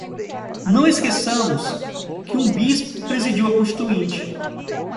Não esqueçamos que um bispo presidiu a Constituinte